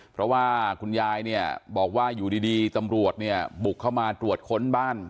เพราะว่าคุณยายเนี่ยบอกว่าอยู่ดีตำรวจเนี่ยบุกเข้ามาตรวจค้นบ้าน